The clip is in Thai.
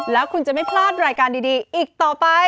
แล้วคุณจะไม่พลาดรายการดีอีกต่อไป